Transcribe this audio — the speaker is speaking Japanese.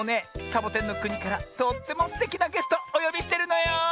サボテンのくにからとってもすてきなゲストおよびしてるのよ。